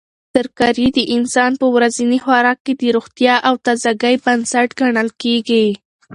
ترکاري د انسان په ورځني خوراک کې د روغتیا او تازګۍ بنسټ ګڼل کیږي.